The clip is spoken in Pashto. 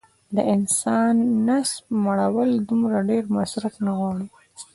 د انسان د نس مړول دومره ډېر مصرف نه غواړي